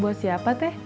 buat siapa teh